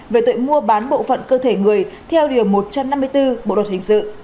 về tội mua bán bộ phận cơ thể người theo điều một trăm năm mươi bốn bộ đoạt hình sự